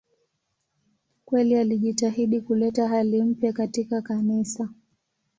Kweli alijitahidi kuleta hali mpya katika Kanisa.